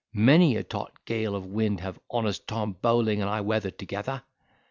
Many a taut gale of wind have honest Tom Bowling and I weathered together.